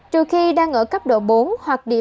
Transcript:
trừ khi đang ở cấp độ bốn hoặc địa bàn